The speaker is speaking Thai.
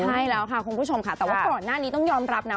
ใช่แล้วค่ะคุณผู้ชมค่ะแต่ว่าก่อนหน้านี้ต้องยอมรับนะ